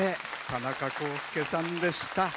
田中功介さんでした。